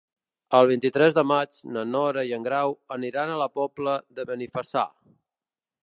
El vint-i-tres de maig na Nora i en Grau aniran a la Pobla de Benifassà.